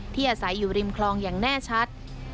อาศัยอยู่ริมคลองอย่างแน่ชัด